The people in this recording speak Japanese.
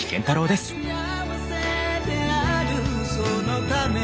「そのために」